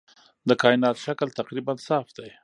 د کائنات شکل تقریباً صاف دی.